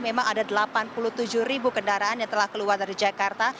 memang ada delapan puluh tujuh ribu kendaraan yang telah keluar dari jakarta